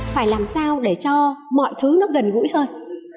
phải làm sao để cho mọi thứ nó gần gũi hơn